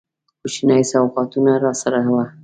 کوچني سوغاتونه راسره وه.